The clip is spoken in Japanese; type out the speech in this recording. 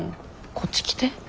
こっち来て。